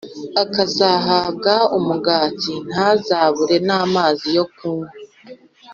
akazahabwa umugati, ntazabure n’amazi yo kunywa.